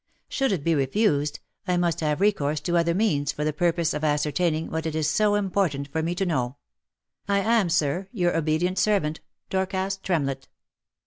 Should it be refused, I must have recourse to other means for the purpose of ascertaining what it is so important for me to know. " I am, Sir, " Your obedient servant, " Dorcas Tremlett."